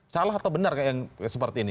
salah atau benar kayak yang seperti ini